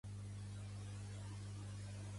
Cook està a punt de fer quaranta-nou anys i ho acusa.